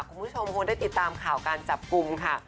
คุณผู้ชมคงได้ติดตามข่าวการจับกลุ่มค่ะ